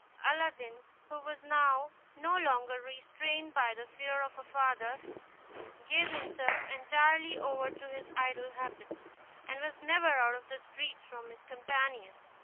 Aladdin, who was now no longer restrained by the fear of a father, gave himself entirely over to his idle habits, and was never out of the streets from his companions.